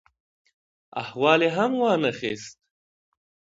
احوال یې هم وا نه خیست.